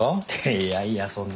いやいやそんな。